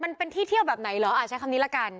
มันเป็นที่เที่ยวแบบไหนเหรออ่าใช้คำนี้ละกัน